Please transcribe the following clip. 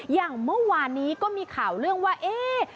อย่างเมื่อวานนี้ก็มีข่าวเรื่องว่าเอ๊ะ